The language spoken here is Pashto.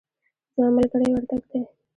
زما ملګری وردګ دی